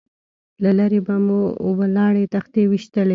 له لرې به مو ولاړې تختې ويشتلې.